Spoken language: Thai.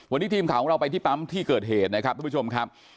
วันนี้ทีมข่าวของเราไปที่ปั๊มที่เกิดเหตุนะครับทุกผู้ชมครับ